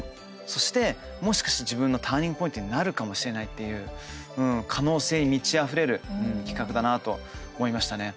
そして、もしかして自分のターニングポイントになるかもしれないっていう可能性に満ちあふれる企画だなと思いましたね。